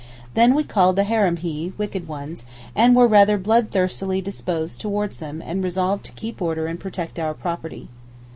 Then we called them harámee (wicked ones) and were rather blood thirstily disposed towards them and resolved to keep order and protect our property.